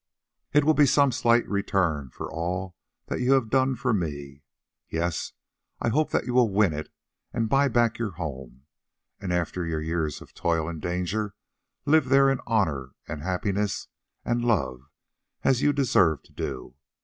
It will be some slight return for all that you have done for me. Yes, I hope that you will win it, and buy back your home, and after your years of toil and danger live there in honour, and happiness, and—love, as you deserve to do.